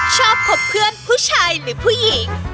คบเพื่อนผู้ชายหรือผู้หญิง